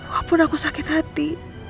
walaupun aku sakit hati